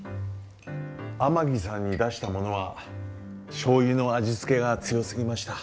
天城さんに出したものはしょうゆの味付けが強すぎました。